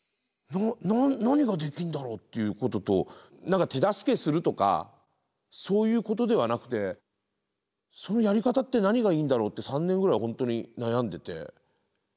何ができるんだろうっていうことと何か手助けするとかそういうことではなくてそのやり方って何がいいんだろうって３年ぐらい本当に悩んでて。